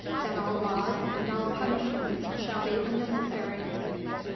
that all laws and all punishments shall be unnecessary.